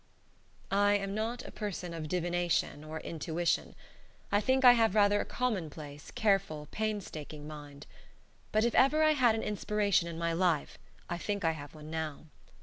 I am not a person of divination or intuition. I think I have rather a commonplace, careful, painstaking mind. But if ever I had an inspiration in my life I think I have one now.